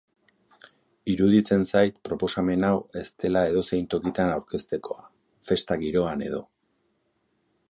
Iruditzen zait proposamen hau ez dela edozein tokitan aurkeztekoa, festa giroan edo.